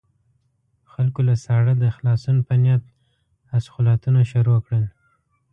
خلکو له ساړه د خلاصون په نيت اسخولاتونه شروع کړل.